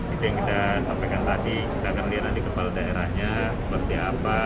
itu yang kita sampaikan tadi kita akan lihat nanti kepala daerahnya seperti apa